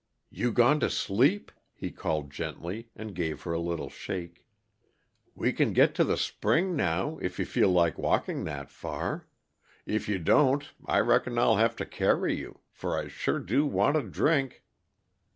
"You gone to sleep?" he called gently, and gave her a little shake. "We can get to the spring now, if you feel like walking that far; if you don't, I reckon I'll have to carry you for I sure do want a drink!"